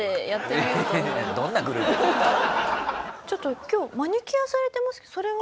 ちょっと今日マニキュアされてますけどそれは？